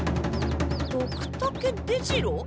ドクタケ出城？